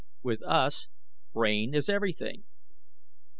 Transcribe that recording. With us brain is everything.